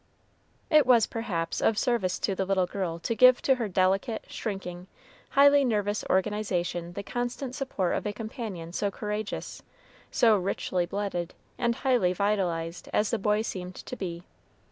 It was, perhaps, of service to the little girl to give to her delicate, shrinking, highly nervous organization the constant support of a companion so courageous, so richly blooded, and highly vitalized as the boy seemed to be.